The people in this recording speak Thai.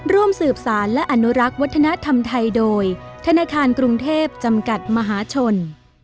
ร่วมสืบสารและอนุรักษ์วัฒนธรรมไทยโดยธนาคารกรุงเทพจำกัดมหาชน